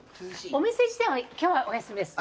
お店自体は今日はお休みです。